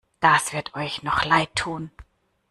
Das wird euch noch leidtun!